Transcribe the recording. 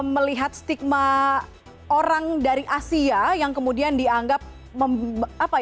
melihat stigma orang dari asia yang kemudian dianggap